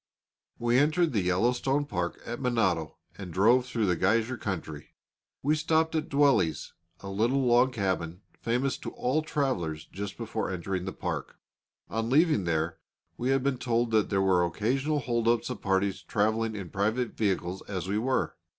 We entered the Yellowstone Park at Minado and drove through the geyser country. We stopped at Dwelly's, a little log cabin famous to all travellers, just before entering the park. On leaving there, we had been told that there were occasional hold ups of parties travelling in private vehicles, as we were.